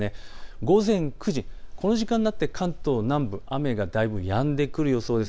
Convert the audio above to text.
午前９時、この時間になって関東南部、雨がだいぶやんでくる予想です。